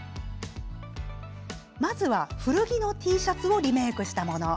まずは、古着のＴシャツをリメークしたもの。